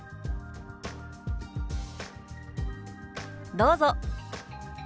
どうぞ。